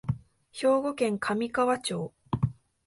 兵庫県神河町